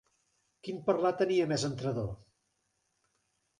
Quin parlar tenia més entrador!